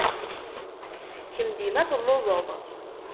Kemm dima telluẓed!